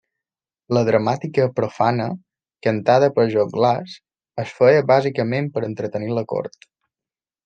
La dramàtica profana, cantada per joglars, es feia bàsicament per entretenir la cort.